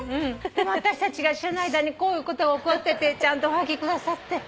私たちが知らない間にこういうことが起こっててちゃんとおはがき下さって。